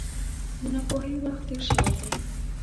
د ناپوهۍ وخت تېر شوی دی.